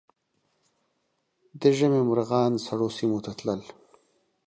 د ژمي مرغان سړو سیمو ته تلل